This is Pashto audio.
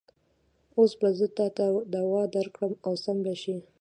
اوس به زه تاته دوا درکړم او سم به شې.